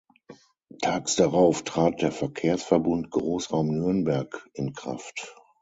Tags darauf trat der Verkehrsverbund Großraum Nürnberg in Kraft.